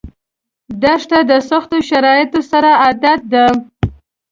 دښته د سختو شرایطو سره عادت ده.